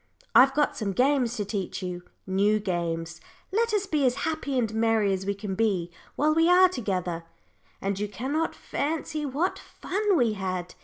I've got some games to teach you new games. Let us be as happy and merry as we can be while we are together." And you cannot fancy what fun we had.